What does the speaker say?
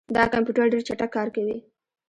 دا کمپیوټر ډېر چټک کار کوي.